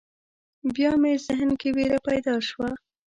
بیا مې ذهن کې وېره پیدا شوه.